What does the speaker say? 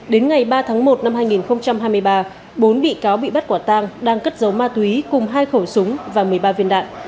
đến ngày ba tháng một năm hai nghìn hai mươi ba bốn bị cáo bị bắt quả tang đang cất giấu ma túy cùng hai khẩu súng và một mươi ba viên đạn